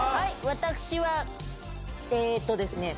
私はえっとですね。